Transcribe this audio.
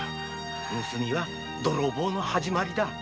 盗みは泥棒の始まりだ。